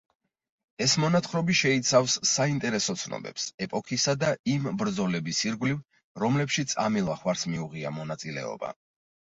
ეს მონათხრობი შეიცავს საინტერესო ცნობებს ეპოქისა და იმ ბრძოლების ირგვლივ, რომლებშიც ამილახვარს მიუღია მონაწილეობა.